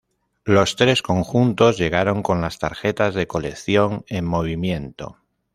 Los tres conjuntos llegaron con las tarjetas de colección en movimiento.